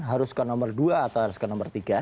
harus ke nomor dua atau harus ke nomor tiga